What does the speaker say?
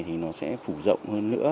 thì nó sẽ phủ rộng hơn nữa